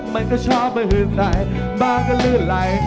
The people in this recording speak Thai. มันก็ชอบมาหืนใสบ้าก็ลื้อไหล